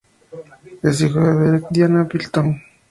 Es hijo de Derek y Diana Billington.